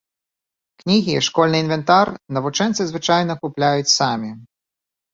Кнігі і школьны інвентар навучэнцы звычайна купляюць самі.